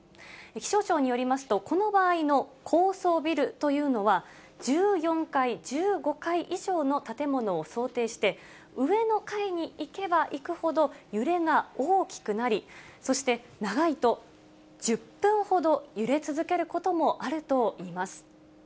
気象庁によりますと、この場合の高層ビルというのは、１４階、１５階以上の建物を想定して、上の階に行けば行くほど、揺れが大きくなり、そして、長いと１０分ほど揺れ続けることもあるといいます。